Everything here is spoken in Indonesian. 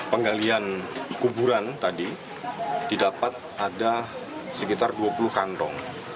penggalian kuburan tadi didapat ada sekitar dua puluh kantong